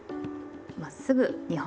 まっすぐ２本。